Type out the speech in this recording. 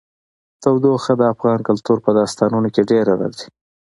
تودوخه د افغان کلتور په داستانونو کې ډېره راځي.